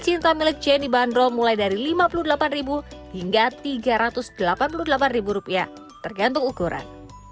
cinta milik jane dibanderol mulai dari rp lima puluh delapan hingga rp tiga ratus delapan puluh delapan tergantung ukuran